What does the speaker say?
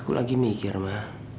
aku lagi mikir ma